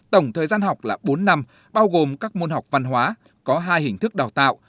tổng thời gian học là bốn năm bao gồm các môn học văn hóa có hai hình thức đào tạo